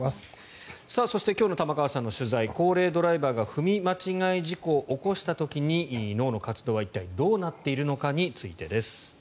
そして今日の玉川さんの取材高齢ドライバーが踏み間違い事故を起こした時に脳の活動は一体どうなっているのかについてです。